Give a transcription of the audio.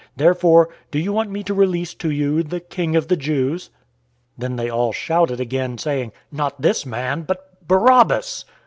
Therefore do you want me to release to you the King of the Jews?" 018:040 Then they all shouted again, saying, "Not this man, but Barabbas!"